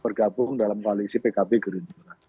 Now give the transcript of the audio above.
bergabung dalam koalisi pkb gerindra